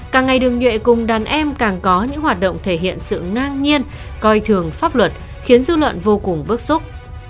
càng ngày đường nhuệ cùng đàn em càng có những hoạt động thể hiện sự ngang nhiên coi thường pháp luật khiến dư luận vô cùng bức xúc